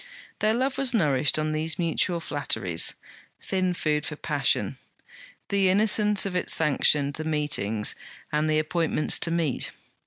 Their love was nourished on these mutual flatteries. Thin food for passion! The innocence of it sanctioned the meetings and the appointments to meet.